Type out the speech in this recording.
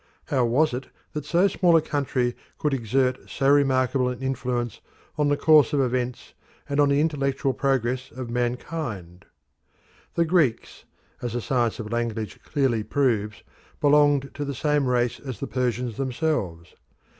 How was it that so small a country could exert so remarkable an influence on the course of events and on the intellectual progress of mankind? The Greeks, as the science of language clearly proves, belonged to the same race as the Persians themselves.